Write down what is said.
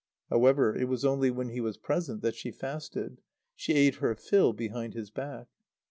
However, it was only when he was present that she fasted. She ate her fill behind his back.